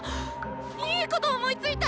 いいこと思いついた！